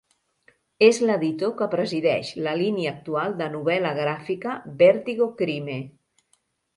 És l'editor que presideix la línia actual de novel·la gràfica Vertigo Crime.